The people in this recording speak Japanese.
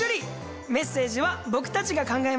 メッセージは僕たちが考えました。